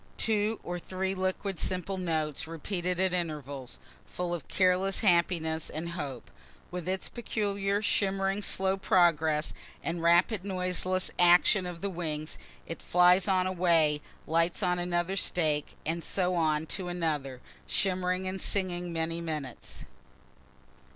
Two or three liquid simple notes, repeated at intervals, full of careless happiness and hope. With its peculiar shimmering slow progress and rapid noiseless action of the wings, it flies on a way, lights on another stake, and so on to another, shimmering and singing many minutes.